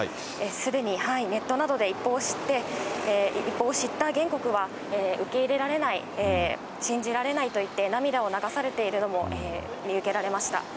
すでにネットなどで一報を知った原告は、受け入れられない、信じられないと言って、涙を流されているのも見受けられました。